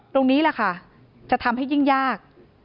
ตรงนี้แหละค่ะจะทำให้ยิ่งยาก